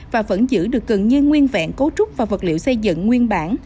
và vẫn giữ được cần nhiên nguyên vẹn cấu trúc và vật liệu xây dựng nguyên bản